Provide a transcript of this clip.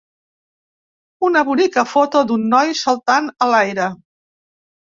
Una bonica foto d'un noi saltant a l'aire.